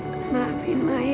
kau panggilin dokter ya teteh